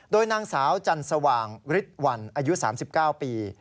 โดยนางสาวจันทร์สว่างริดวันอายุ๓๙ปี